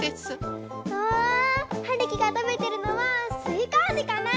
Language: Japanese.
うわはるきがたべてるのはすいかあじかな？